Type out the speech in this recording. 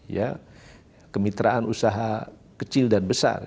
ya kemitraan usaha kecil dan besar